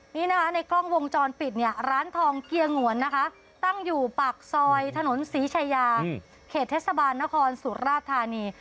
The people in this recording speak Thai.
นี่นะคะในกล้องวงจรปิดเนี่ยร้านทองเกียงวนนะคะตั้งอยู่ปากซอยถนนศรีชายาเขตเทศบาลนครสุราธานี